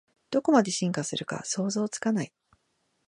どこまで進化するか想像つかない